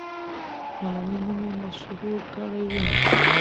ملالۍ نوم یې مشهور کړی وو.